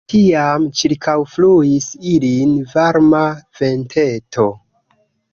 Tiam ĉirkaŭfluis ilin varma venteto.